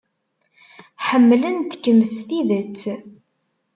Ḥemmlent-kem s tidet.